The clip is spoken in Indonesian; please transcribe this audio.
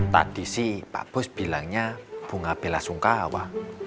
tadi pak bos bilangnya bunga bela sungkawa